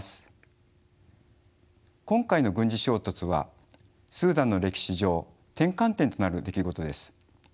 今回の軍事衝突はスーダンの歴史上転換点となる出来事です。